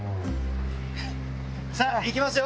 さぁ行きますよ！